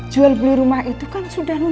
jual beli rumah itu kan sudah